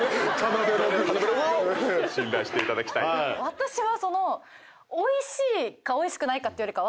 私は。